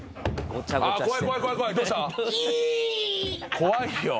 怖いよ。